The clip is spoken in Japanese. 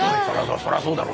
そらそうだろう。